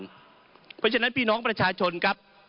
เพราะฉะนั้นพี่น้องประชาชนครับ